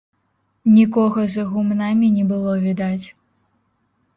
Нікога за гумнамі не было відаць.